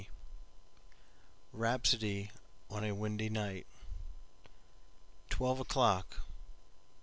4. Rhapsody on a Windy Night TWELVE o'clock.